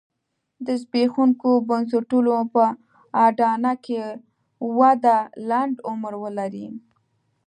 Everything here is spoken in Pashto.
د زبېښونکو بنسټونو په اډانه کې وده لنډ عمر ولري.